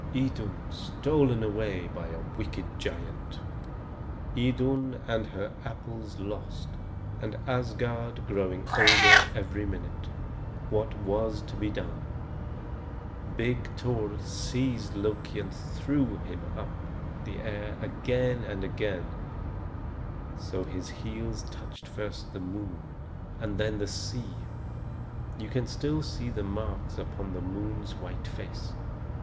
Idun stolen away by a wicked giant! Idun and her apples lost, and Asgard growing older every minute! What was to be done? Big Thor seized Loki and threw him up in the air again and again, so that his heels touched first the moon and then the sea; you can still see the marks upon the moon's white face.